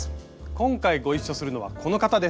今回ご一緒するのはこの方です。